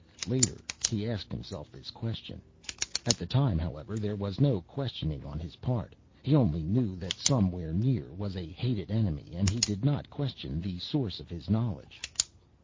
Later, he asked himself this question. At the time, however, there was no questioning on his part. He only knew that somewhere near was a hated enemy and he did not question the source of his knowledge....